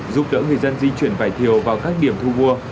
giúp đỡ người dân di chuyển vải thiều vào các điểm thu mua